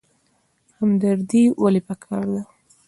همدردي ولې پکار ده؟